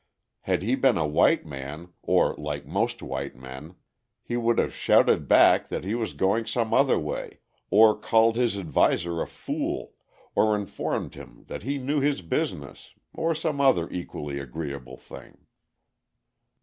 Had he been a white man or like most white men he would have shouted back that he was going some other way, or called his adviser a fool, or informed him that he knew his business, or some other equally agreeable thing.